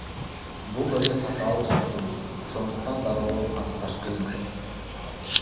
Бул өтө татаал жабдуу, ошондуктан дароо аныкташ кыйын.